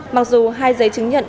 mặc dù hai giấy chứng nhận